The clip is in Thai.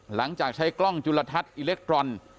หลังจากใช้กล้องจุลทัศน์อิเล็กทรอน